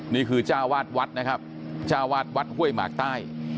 จ้าวาดวัดนะครับจ้าวาดวัดห้วยหมากใต้